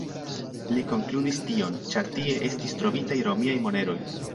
Li konkludis tion, ĉar tie estis trovitaj romiaj moneroj.